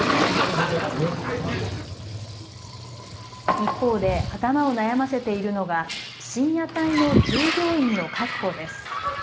一方で頭を悩ませているのは深夜帯の従業員の確保です。